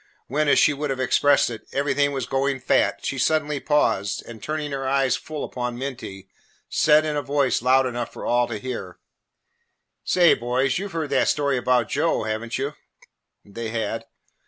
When, as she would have expressed it, "everything was going fat," she suddenly paused and, turning her eyes full upon Minty, said in a voice loud enough for all to hear, "Say, boys, you 've heard that story about Joe, have n't you?" They had.